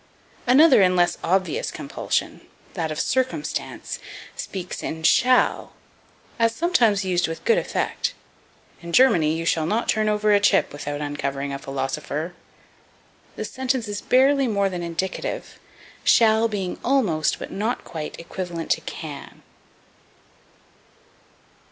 Another and less obvious compulsion that of circumstance speaks in shall, as sometimes used with good effect: In Germany you shall not turn over a chip without uncovering a philosopher. The sentence is barely more than indicative, shall being almost, but not quite, equivalent to can.